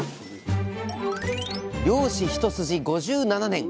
漁師一筋５７年。